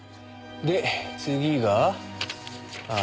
で次がああ